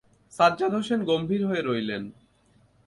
সাজ্জাদ হোসেন গম্ভীর হয়ে রইলেন।